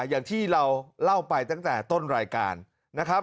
อย่างที่เราเล่าไปตั้งแต่ต้นรายการนะครับ